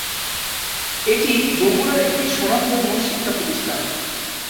এটি বগুড়ার একটি স্বনামধন্য শিক্ষা প্রতিষ্ঠান।